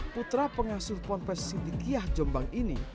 putra pengasuh pornpes siti kiah jombang ini